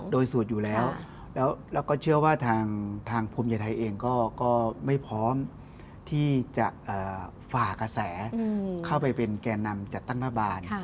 โดยสูตรอยู่แล้วแล้วก็เชื่อว่าทางภูมิใจไทยเองก็ไม่พร้อมที่จะฝากกระแสเข้าไปเป็นแก่นำจัดตั้งรัฐบาล